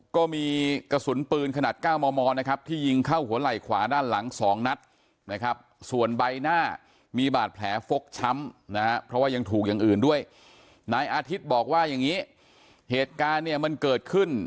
ก็มีกระสุนปืนขนาดเก้าหม้อนะครับที่ยิงเข้าหัวไหล่ขวาด้านหลังสองนัด